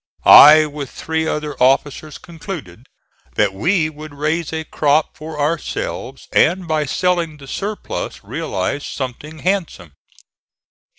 I with three other officers concluded that we would raise a crop for ourselves, and by selling the surplus realize something handsome.